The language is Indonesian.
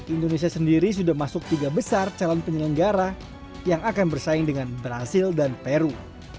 indonesia sendiri sudah masuk tiga besar calon penyelenggara yang akan bersaing dengan brazil dan peru